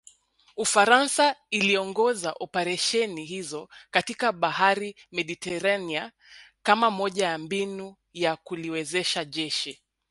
Ufaransa iliongoza operesheni hizo katika bahari Mediterania kama moja ya mbinu ya kuliwezesha jeshi